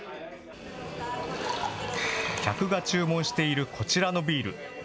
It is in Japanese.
客が注文しているこちらのビール。